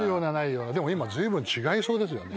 でも今ずいぶん違いそうですよね。